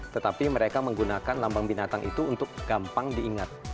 tetapi mereka menggunakan lambang binatang itu untuk gampang diingat